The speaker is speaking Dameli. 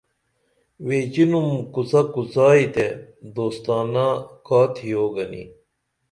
ویچینُم کوڅہ کوڅائی تے دوستانہ کا تِھیو گنی